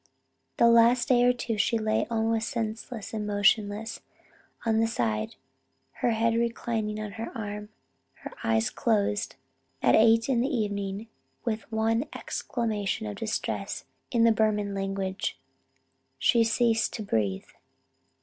The last day or two she lay almost senseless and motionless, on one side, her head reclining on her arm, her eyes closed, and at eight in the evening, with one exclamation of distress in the Burman language, she ceased to breathe."